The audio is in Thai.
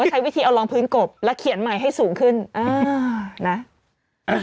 ใช้วิธีเอารองพื้นกบแล้วเขียนใหม่ให้สูงขึ้นอ่านะ